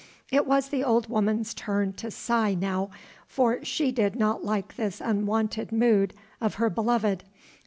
It was the old woman's turn to sigh now, for she did not like this unwonted mood of her beloved.